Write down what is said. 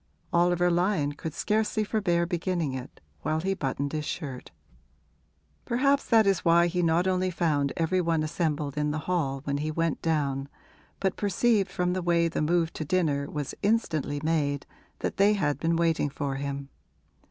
Oliver Lyon could scarcely forbear beginning it while he buttoned his shirt. Perhaps that is why he not only found every one assembled in the hall when he went down, but perceived from the way the move to dinner was instantly made that they had been waiting for him.